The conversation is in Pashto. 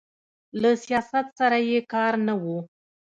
له سیاست سره یې کار نه و.